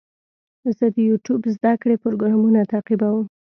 زه د یوټیوب زده کړې پروګرامونه تعقیبوم.